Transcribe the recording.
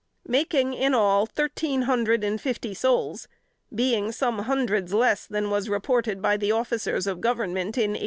Making, in all, thirteen hundred and fifty souls; being some hundreds less than was reported by the Officers of Government, in 1836.